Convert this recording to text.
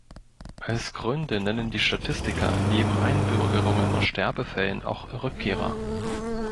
Als Gründe nennen die Statistiker neben Einbürgerungen und Sterbefällen auch Rückkehrer.